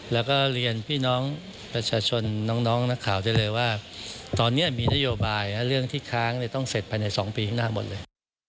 แล้วก็เรียนพี่น้องประชาชนน้องนักข่าวได้เลยว่าตอนนี้มีนโยบายเรื่องที่ค้างต้องเสร็จภายใน๒ปีข้างหน้าหมดเลย